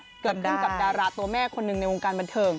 เกิดขึ้นกับดาราตัวแม่คนหนึ่งในวงการบันเทิง